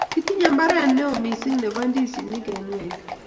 kitinye mbaret neoo misiing nebo ndizinik eng' weli